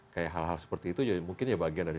kayak hal hal seperti itu mungkin ya bagian dari